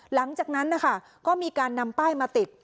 หลังจากนั้นนะคะก็มีการนำป้ายมาติด